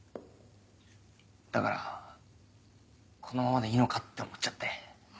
だからこのままでいいのかって思っちゃって。